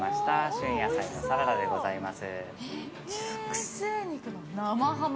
旬野菜のサラダでございます。